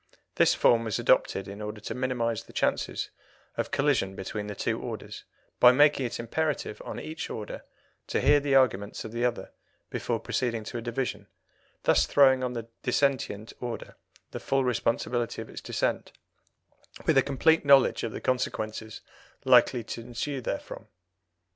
This form was adopted in order to minimize the chances of collision between the two orders, by making it imperative on each order to hear the arguments of the other before proceeding to a division, thus throwing on the dissentient order the full responsibility of its dissent, with a complete knowledge of the consequences likely to ensue therefrom.